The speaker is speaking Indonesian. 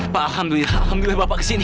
pak alhamdulillah bapak kesini